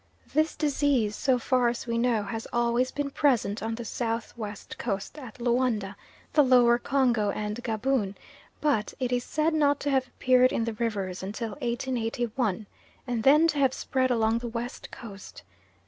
This disease, so far as we know, has always been present on the South West Coast, at Loando, the Lower Congo and Gaboon, but it is said not to have appeared in the Rivers until 1881, and then to have spread along the West Coast.